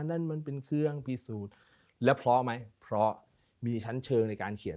นั่นมันเป็นเครื่องพิสูจน์แล้วเพราะไหมเพราะมีชั้นเชิงในการเขียน